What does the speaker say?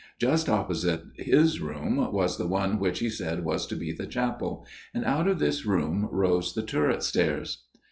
Just opposite his room was the one which he said was to be the chapel, and out of this room rose the turret stairs.